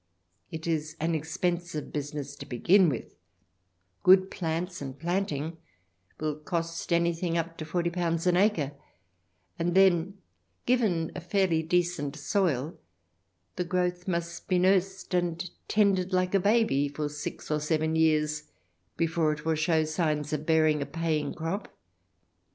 It is an expensive business to begin with ; good plants and planting will cost any thing up to ;^40 an acre, and then, given a fairly decent soil, the growth must be nursed and tended like a baby for six or seven years before it will show signs of bearing a paying crop.